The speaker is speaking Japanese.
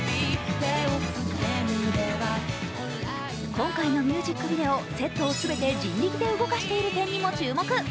今回のミュージックビデオセットを全て人力で動かしている点にも注目。